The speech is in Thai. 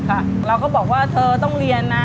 เราก็บอกว่าเธอต้องเรียนนะ